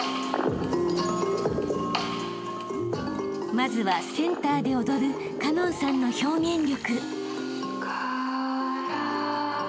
［まずはセンターで踊る花音さんの表現力］